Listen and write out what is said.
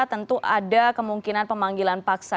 tentu ada kemungkinan pemanggilan paksa